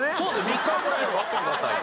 ３日ぐらい待ってくださいよ。